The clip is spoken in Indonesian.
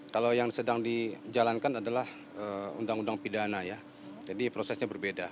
kalau yang sedang dijalankan adalah undang undang pidana ya jadi prosesnya berbeda